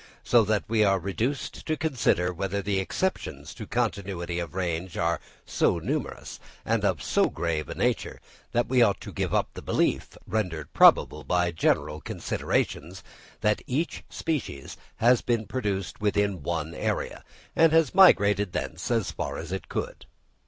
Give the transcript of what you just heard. So that we are reduced to consider whether the exceptions to continuity of range are so numerous, and of so grave a nature, that we ought to give up the belief, rendered probable by general considerations, that each species has been produced within one area, and has migrated thence as far as it could.